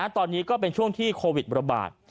ตอนนี้ก็เป็นช่วงที่โควิดระบาด